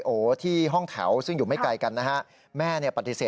โอ๋ที่เดินมาพอดี